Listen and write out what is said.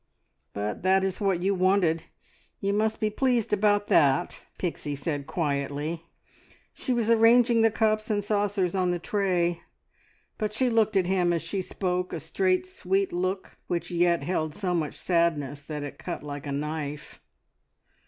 "But that is what you wanted. You must be pleased about that," Pixie said quietly. She was arranging the cups and saucers on the tray, but she looked at him as she spoke, a straight, sweet look, which yet held so much sadness that it cut like a knife.